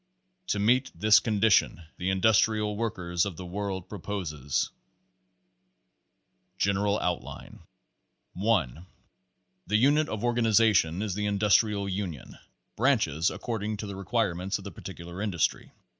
To meet this condition the Industrial Workers of the World proposes : General Outline 1. The unit of organization is the Industrial Union, "branches" according to the requirements of the par ticular industry.